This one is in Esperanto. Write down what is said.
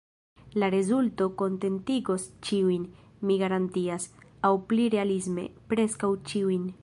La rezulto kontentigos ĉiujn, mi garantias; aŭ pli realisme, preskaŭ ĉiujn.